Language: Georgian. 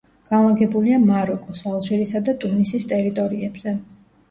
განლაგებულია მაროკოს, ალჟირისა და ტუნისის ტერიტორიებზე.